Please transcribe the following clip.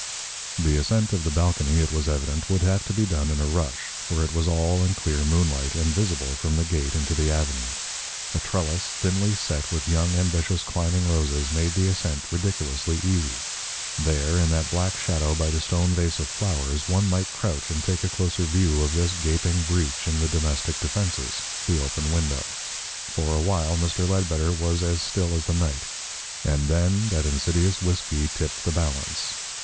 The ascent of the balcony, it was evident, would have to be done in a rush, for it was all in clear moonlight, and visible from the gate into the avenue. A trellis thinly set with young, ambitious climbing roses made the ascent ridiculously easy. There, in that black shadow by the stone vase of flowers, one might crouch and take a closer view of this gaping breach in the domestic defences, the open window. For a while Mr. Ledbetter was as still as the night, and then that insidious whisky tipped the balance.